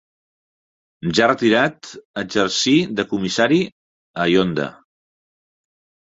Ja retirat, exercí de comissari a i Honda.